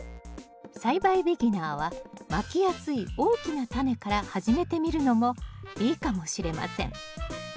栽培ビギナーはまきやすい大きなタネから始めてみるのもいいかもしれません。